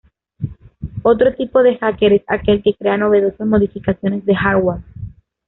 Otro tipo de hacker es aquel que crea novedosas modificaciones de hardware.